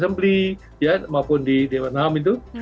di publi ya maupun di dewan ham itu